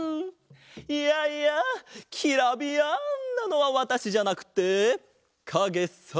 いやいやキラビヤンなのはわたしじゃなくてかげさ！